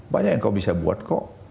banyak yang kau bisa buat kok